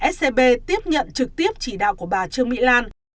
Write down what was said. scb tiếp nhận trực tiếp chỉ đạo của bà trương mỹ lan